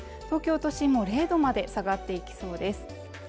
東京都心も０度まで下がっていきそうです